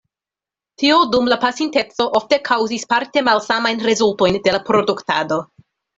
Tio dum la pasinteco ofte kaŭzis parte malsamajn rezultojn de la produktado.